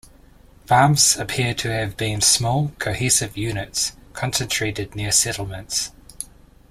Farms appear to have been small, cohesive units, concentrated near settlements.